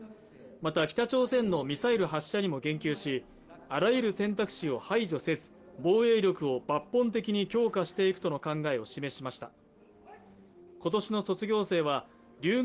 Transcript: また北朝鮮のミサイル発射にも言及しあらゆる選択肢を排除せず防衛力を抜本的に強化していくとの考えを示しました。